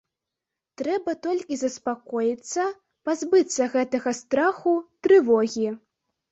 Трэба толькі заспакоіцца, пазбыцца гэтага страху, трывогі.